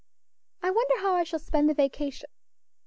"I wonder how I shall spend the vacation?